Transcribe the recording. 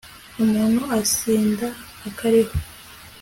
umuntu asinda akariho